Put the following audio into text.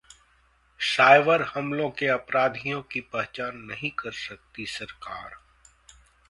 cyber हमलों के अपराधियों की पहचान नहीं कर सकती सरकार